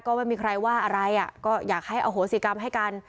ก็ไม่มีใครว่าอะไรอ่ะก็อยากให้อโหสิกรรมให้กัน